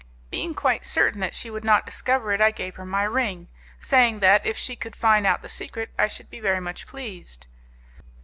Being quite certain that she would not discover it, I gave her my ring, saying that, if she could find out the secret, I should be very much pleased.